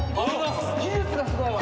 技術がすごいわ。